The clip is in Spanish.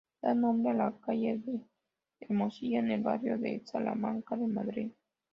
Da nombre a la calle de Hermosilla, en el barrio de Salamanca de Madrid.